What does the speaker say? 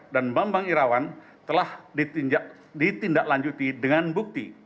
dan bambang irawan telah ditindaklanjuti dengan bukti